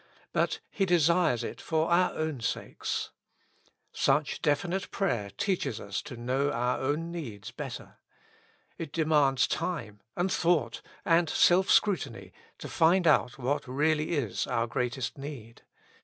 But He desires it for our own sakes. Such definite prayer teaches us to know our own needs better. It de 78 With Christ in the School of Prayer. mands time, and thought, and self scrutiny to find out what really is our greatest need.